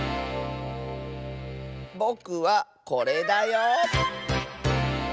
ぼくはこれだよ！